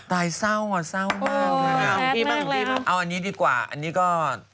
ตายเศร้ามากดีมากอันนี้ดีกว่าอันนี้ก็